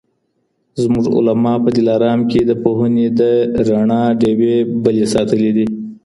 زموږ علما په دلارام کي د پوهني د رڼا ډېوې بلې ساتلي دي.